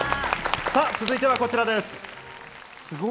続いてはこちらです。